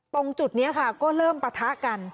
ตรงจุดนี้ค่ะก็เริ่มปะทะกัน